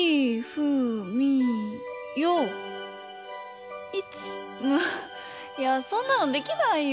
いよういついやそんなのできないよ。